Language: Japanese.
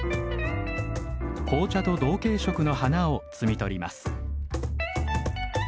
紅茶と同系色の花を摘み取ります。